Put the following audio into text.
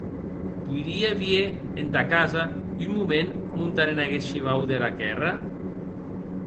Poiria vier entà casa un moment montant en aguest shivau dera quèrra?